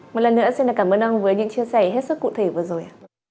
một lần nữa xin cảm ơn ông với những chia sẻ hết sức cụ thể vừa rồi